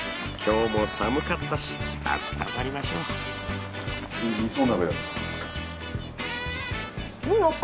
今日も寒かったしあったまりましょう。